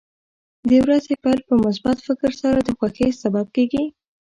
د ورځې پیل په مثبت فکر سره د خوښۍ سبب کېږي.